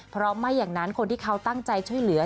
เพราะไม่อย่างนั้นคนที่เขาตั้งใจช่วยเหลือ